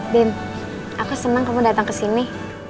aku senang kamu datang ke sini